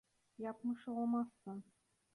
Yapmış olamazsın.